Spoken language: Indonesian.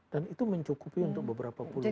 dan itu mencukupi untuk beberapa puluh tahun